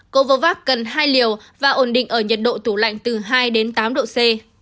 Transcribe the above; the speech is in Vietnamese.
covavax cần hai liều và ổn định ở nhiệt độ tủ lạnh từ hai đến tám độ c